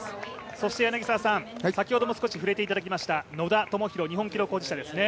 そして、先ほども触れていただきました野田明宏日本記録保持者ですね。